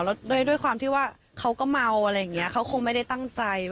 แล้วด้วยความที่ว่าเขาก็เมาอะไรอย่างนี้เขาคงไม่ได้ตั้งใจ